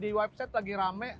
di website lagi rame